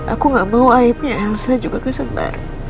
aku nggak mau aibnya elsa juga kesembar